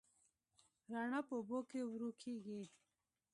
رڼا په اوبو کې ورو کېږي.